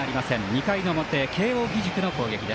２回の表、慶応義塾の攻撃。